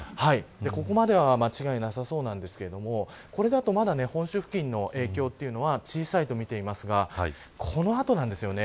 ここまでは間違いなさそうなんですがこれだと本州付近への影響は小さいとみていますがこの後なんですよね。